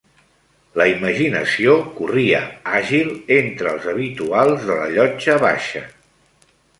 La imaginació corria àgil entre els habituals de la llotja baixa